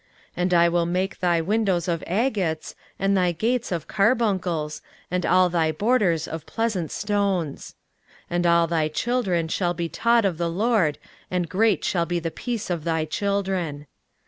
23:054:012 And I will make thy windows of agates, and thy gates of carbuncles, and all thy borders of pleasant stones. 23:054:013 And all thy children shall be taught of the LORD; and great shall be the peace of thy children.